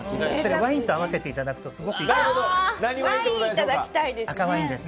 ワインと合わせていただくとすごくいいです。